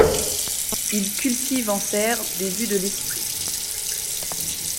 Il cultive en serre des vues de l'esprit.